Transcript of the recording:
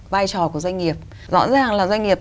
vai trò của doanh nghiệp rõ ràng là doanh nghiệp